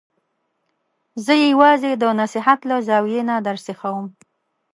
زه یې یوازې د نصحت له زاویې نه درسیخوم.